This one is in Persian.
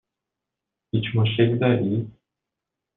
هیچ مشکلی دارید؟